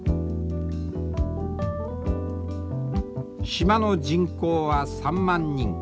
島の人口は３万人。